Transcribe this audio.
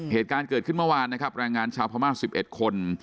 เหตุการณ์เกิดขึ้นเมื่อวานนะครับแรงงานชาวพามาร์สสิบเอ็ดคน